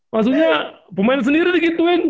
maksudnya pemain sendiri gitu ya